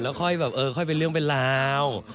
ค่อยแบบเออค่อยเป็นเรื่องเป็นราว